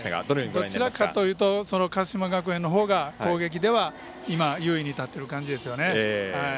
どちらかというと鹿島学園のほうが攻撃では今優位に立っている感じですよね。